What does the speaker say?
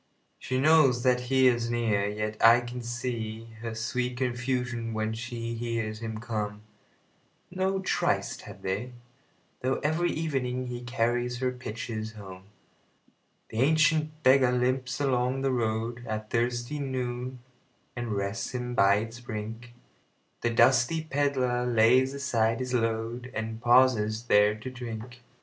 She knows that he is near, yet I can seeHer sweet confusion when she hears him come.No tryst had they, though every evening heCarries her pitchers home. The ancient beggar limps along the roadAt thirsty noon, and rests him by its brink; The dusty pedlar lays aside his load, And pauses there to drink.